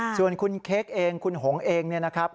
ส่วนคุณเค้กเองคุณหงเองเนี่ยนะครับ